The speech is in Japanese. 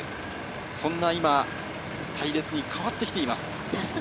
そんな隊列に変わってきています。